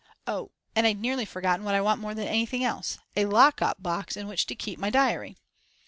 Oh, and I'd nearly forgotten what I want more than anything else, a lock up box in which to keep my diary.